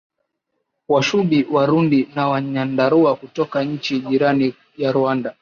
Washubi warundi na wanyarwanda kutoka nchi jirani ya Rwanda